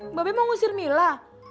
mbak bey mau ngusir mila